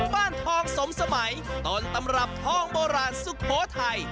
ทองสมสมัยต้นตำรับทองโบราณสุโขทัย